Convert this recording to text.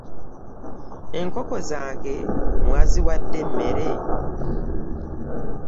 Enkoko zange mwaziwadde emmere?